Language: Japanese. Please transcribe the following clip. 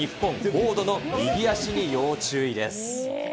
フォードの右足に要注意です。